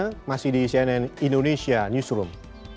anda masih di cnn indonesia newsroom